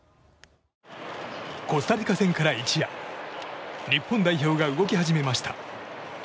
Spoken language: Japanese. コスタリカ戦から一夜日本代表が動き始めました。